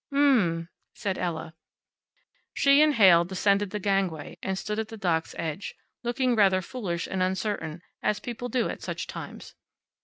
"Mm," said Ella. She and Heyl descended the gang way, and stood at the dock's edge, looking rather foolish and uncertain, as people do at such times.